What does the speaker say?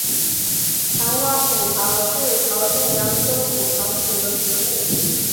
长花蒲桃是桃金娘科蒲桃属的植物。